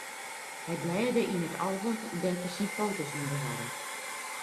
Hy blêde yn it album dêr't er syn foto's yn bewarre.